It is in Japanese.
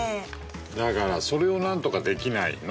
だからそれを何とかできないの？